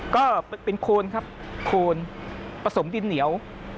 ก็เป็นโคนครับโคนผสมดินเหนียว